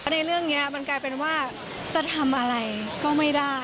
ในเรื่องนี้มันกลายเป็นว่าจะทำอะไรก็ไม่ได้